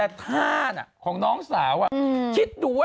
อยากกันเยี่ยม